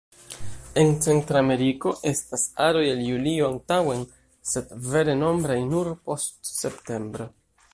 En Centrameriko estas aroj el julio antaŭen, sed vere nombraj nur post septembro.